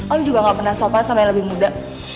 om juga nggak pernah sopan sama yang lebih muda